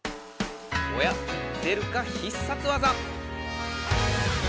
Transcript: おや出るか必殺技。